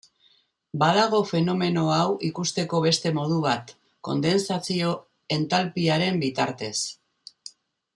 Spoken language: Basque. Badago fenomeno hau ikusteko beste modu bat, kondentsazio-entalpiaren bitartez.